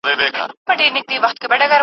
ما خالي انګړ ته وکړل له ناکامه سلامونه